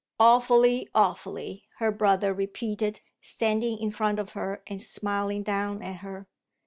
"Awfully, awfully!" her brother repeated, standing in front of her and smiling down at her.